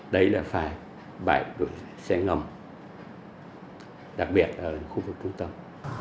đấy là phải bãi gửi xe ngầm đặc biệt ở khu vực trung tâm